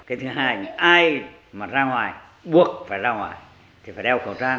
cái thứ hai ai mà ra ngoài buộc phải ra ngoài thì phải đeo khẩu trang